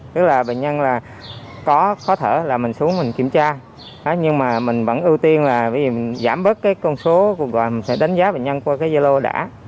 tức là bệnh nhân có khó thở là mình xuống mình kiểm tra nhưng mình vẫn ưu tiên là giảm bớt con số mình sẽ đánh giá bệnh nhân qua gia lô đã